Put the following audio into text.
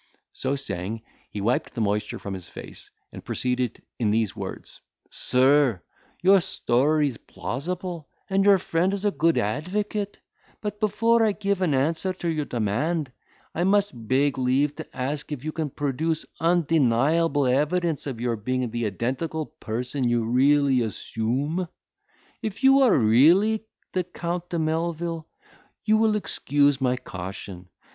So saying, he wiped the moisture from his face, and proceeded in these words: "Sir, your story is plausible; and your friend is a good advocate; but before I give an answer to your demand, I must beg leave to ask if you can produce undeniable evidence of your being the identical person you really assume? If you are really the Count de Melvil, you will excuse my caution.